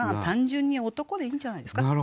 単純に「男」でいいんじゃないですか。